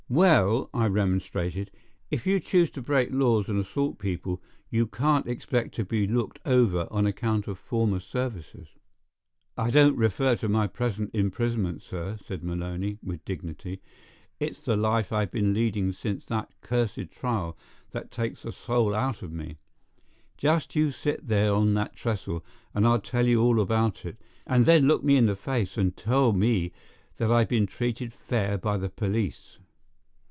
"Well," I remonstrated, "if you choose to break laws and assault people, you can't expect it to be looked over on account of former services." "I don't refer to my present imprisonment, sir," said Maloney, with dignity. "It's the life I've been leading since that cursed trial that takes the soul out of me. Just you sit there on that trestle, and I'll tell you all about it, and then look me in the face and tell me that I've been treated fair by the police."